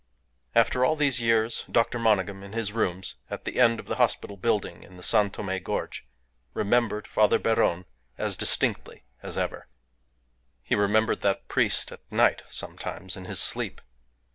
After all these years Dr. Monygham, in his rooms at the end of the hospital building in the San Tome gorge, remembered Father Beron as distinctly as ever. He remembered that priest at night, sometimes, in his sleep.